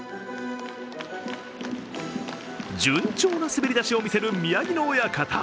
順調な滑り出しを見せる宮城野親方。